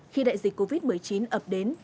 khi đại dịch covid một mươi chín ập đến